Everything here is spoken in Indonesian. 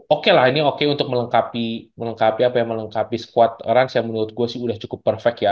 oke lah ini oke untuk melengkapi squad rans yang menurut gue sih udah cukup perfect ya